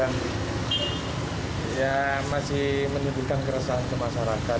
masih berlanjur dan masih menimbulkan keresahan ke masyarakat